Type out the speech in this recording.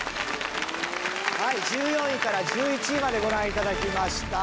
はい１４位から１１位までご覧頂きました。